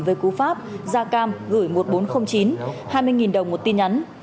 với cú pháp gia cam gửi một nghìn bốn trăm linh chín hai mươi đồng một tin nhắn